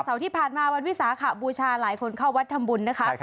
ที่ผ่านมาวันวิสาขบูชาหลายคนเข้าวัดทำบุญนะคะ